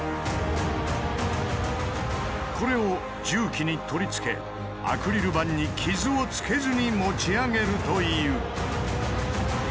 これを重機に取り付けアクリル板に傷をつけずに持ち上げるという。